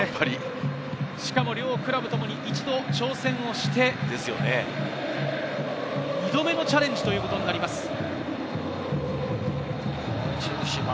しかも両クラブともに１度挑戦をして、２度目のチャレンジということになります。